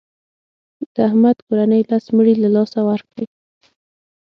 د احمد کورنۍ لس مړي له لاسه ورکړل.